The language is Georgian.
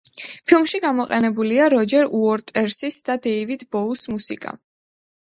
ფილმში გამოყენებულია როჯერ უოტერსის და დეივიდ ბოუის მუსიკა.